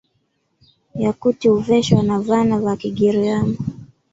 Yakuti huveshwa na vana vakigiriama.